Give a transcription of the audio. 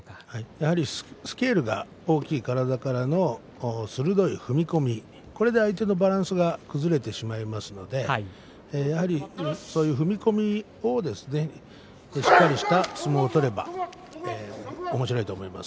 やはりスケールが大きい体からの鋭い踏み込みこれで相手のバランスが崩れてしまいますのでやはりそういう踏み込みをしっかりした相撲を取ればおもしろいと思います。